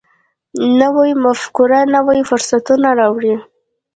نوې مفکوره نوي فرصتونه راوړي